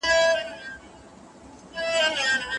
مړ سړي په ډګر کي ږدن او اتڼ خوښ کړي دي.